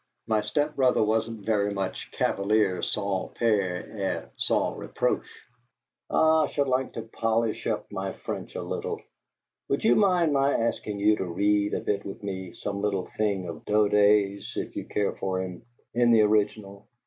"My step brother wasn't very much chevalier sans peur et sans reproche! Ah, I should like to polish up my French a little. Would you mind my asking you to read a bit with me, some little thing of Daudet's if you care for him, in the original?